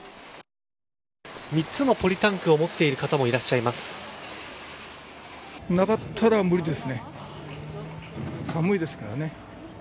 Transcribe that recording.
３つのポリタンクを持ってる方もいらしゃいます。